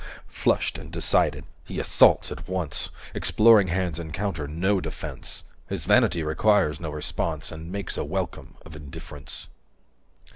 Flushed and decided, he assaults at once; Exploring hands encounter no defence; 240 His vanity requires no response, And makes a welcome of indifference.